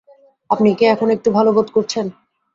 আপনি কি এখন একটু ভাল বোধ করছেন?